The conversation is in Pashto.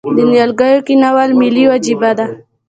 د نیالګیو کینول ملي وجیبه ده؟